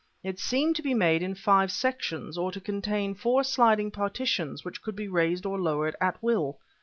It seemed to be made in five sections or to contain four sliding partitions which could be raised or lowered at will.